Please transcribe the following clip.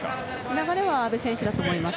流れは阿部選手だと思います。